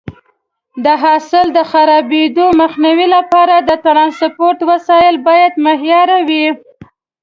د حاصل د خرابېدو مخنیوي لپاره د ټرانسپورټ وسایط باید معیاري وي.